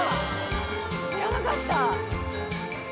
知らなかった。